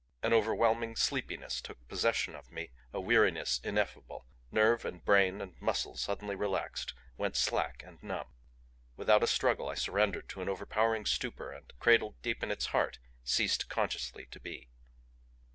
An overwhelming sleepiness took possession of me, a weariness ineffable. Nerve and brain and muscle suddenly relaxed, went slack and numb. Without a struggle I surrendered to an overpowering stupor and cradled deep in its heart ceased consciously to be.